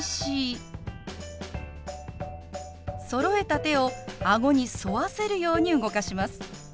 そろえた手を顎に沿わせるように動かします。